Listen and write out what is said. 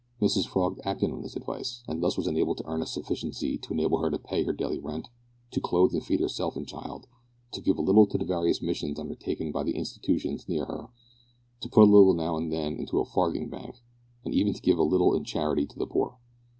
Mrs Frog acted on this advice, and thus was enabled to earn a sufficiency to enable her to pay her daily rent, to clothe and feed herself and child, to give a little to the various missions undertaken by the Institutions near her, to put a little now and then into the farthing bank, and even to give a little in charity to the poor!